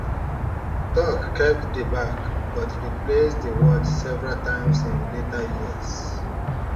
Tork kept the back, but replaced the watch several times in later years.